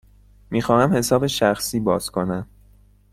می خواهم حساب شخصی باز کنم.